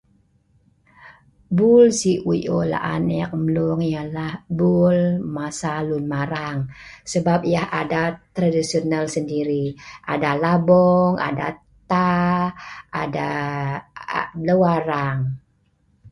Bul sii wik eu laan ialah bul masa lun marang sebab yeh ada tradisional sendiri ada labong, ada taa', ada bleu arang